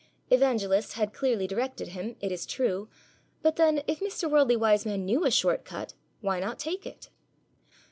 Evangelist had clearly directed him, it is true; but then, if Mr. Worldly Wiseman knew a short cut, why not take it?